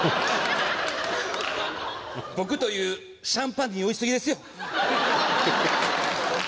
僕というシャンパンに酔いすぎですよ。